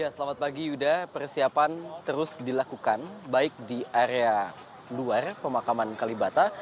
selamat pagi yuda persiapan terus dilakukan baik di area luar pemakaman kalibata